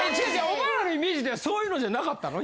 お前らのイメージではそういうのじゃなかったの？